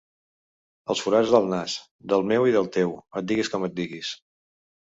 Els forats del nas, del meu i del teu, et diguis com et diguis.